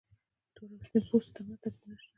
تور او سپین پوستو تر منځ توپیرونه شته.